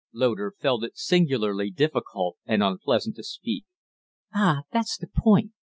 Loder felt it singularly difficult and unpleasant to speak. "Ah, that's the point.